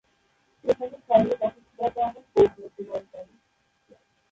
সেখানেই শারীরিক অসুস্থতার কারণে পোপ মৃত্যুবরণ করেন।